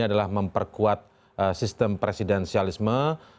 adalah memperkuat sistem presidensialisme